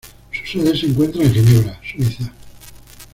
Su sede se encuentra en Ginebra, Suiza.